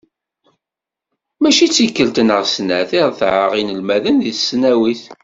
Mačči d tikkelt neɣ d snat i retɛeɣ inelmaden deg tesnawit.